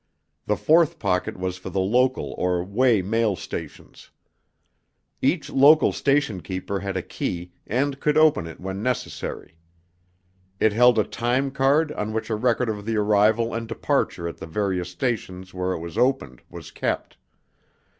The fourth pocket was for the local or way mail stations. Each local station keeper had a key and could open it when necessary. It held a time card on which a record of the arrival and departure at the various stations where it was opened, was kept.